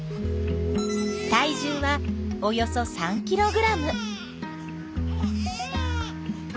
体重はおよそ３ｋｇ。